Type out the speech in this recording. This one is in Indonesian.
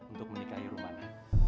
untuk menikahi rumana